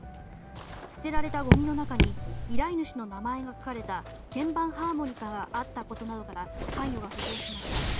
捨てられたごみの中に依頼主の名前が書かれた鍵盤ハーモニカがあったことなどから関与が浮上しました。